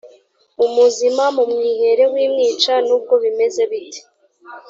umuzima mumwihere wimwica nubwo bimeze bite